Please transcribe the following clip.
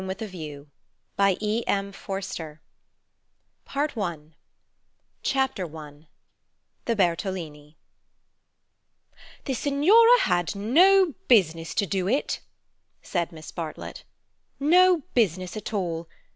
The End of the Middle Ages PART ONE Chapter I The Bertolini "The Signora had no business to do it," said Miss Bartlett, "no business at all.